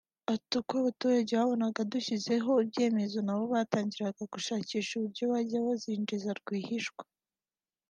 Ati”Uko abaturage babonaga dushyizeho ibyo byemezo nabo batangiye gushakisha uburyo bajya bazinjiza rwihishwa